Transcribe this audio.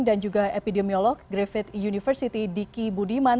dan juga epidemiolog gravit university diki budiman